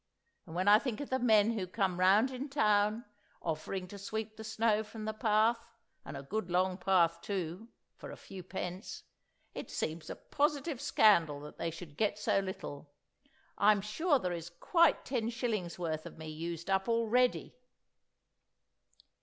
And when I think of the men who come round in town, offering to sweep the snow from the path—and a good long path too—for a few pence, it seems a positive scandal that they should get so little. I'm sure there is quite ten shillings' worth of me used up already!"